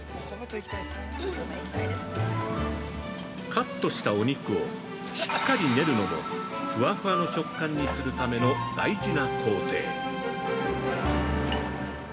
カットしたお肉をしっかり練るのもふわふわの食感にするための大事な工程。